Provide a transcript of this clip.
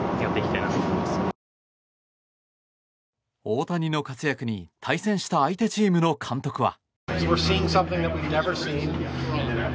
大谷の活躍に対戦した相手チームの監督は。